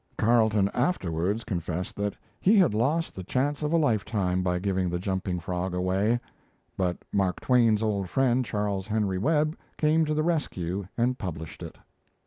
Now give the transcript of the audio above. Carleton afterwards confessed that he had lost the chance of a life time by giving The Jumping Frog away; but Mark Twain's old friend, Charles Henry Webb, came to the rescue and published it.